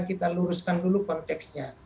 kita luruskan dulu konteksnya